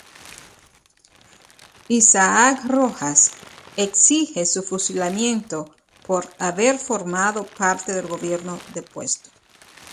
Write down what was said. Isaac Rojas exige su fusilamiento por haber formado parte del gobierno depuesto.